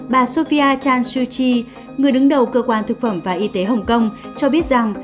bà sophia chan shu chi người đứng đầu cơ quan thực phẩm và y tế hồng kông cho biết rằng